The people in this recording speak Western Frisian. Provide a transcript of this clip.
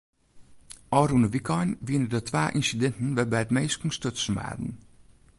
Ofrûne wykein wiene der twa ynsidinten wêrby't minsken stutsen waarden.